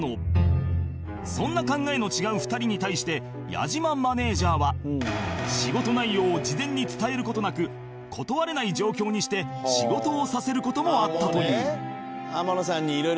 そんな考えの違う２人に対して矢島マネジャーは仕事内容を事前に伝える事なく断れない状況にして仕事をさせる事もあったという